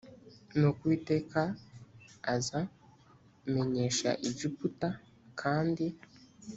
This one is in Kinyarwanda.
nuko uwiteka az menyesha egiputa kandi